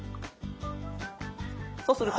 そうすると。